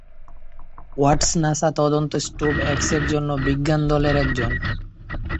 ওয়াটস NASA তদন্ত স্ট্রোব-এক্সের জন্য বিজ্ঞান দলের একজন।